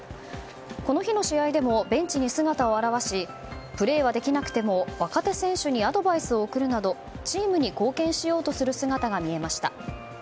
この日の試合でもベンチに姿を現しプレーはできなくても若手選手にアドバイスを送るなどチームに貢献しようとする姿が見えました。